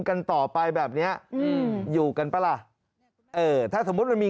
กันต่อไปแบบนี้อยู่กันป่ะล่ะถ้าสมมติมี